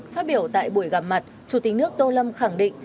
phát biểu tại buổi gặp mặt chủ tịch nước tô lâm khẳng định